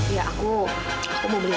ya aku aku mau beli